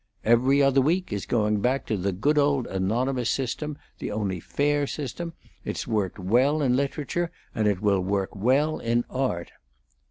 'Every Other Week' is going back to the good old anonymous system, the only fair system. It's worked well in literature, and it will work well in art."